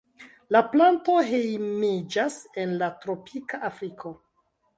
La planto hejmiĝas en la tropika Afriko.